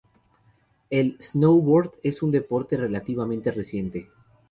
El snowboard es un deporte, relativamente, reciente.